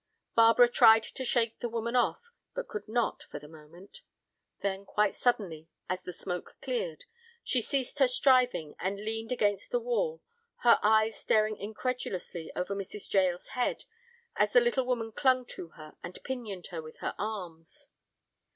Barbara tried to shake the woman off, but could not for the moment. Then, quite suddenly, as the smoke cleared, she ceased her striving and leaned against the wall, her eyes staring incredulously over Mrs. Jael's head as the little woman clung to her and pinioned her with her arms.